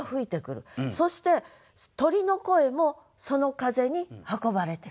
そして鳥の声もその風に運ばれてくる。